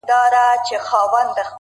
o تر مزد ئې شکر دانه ډېره سوه!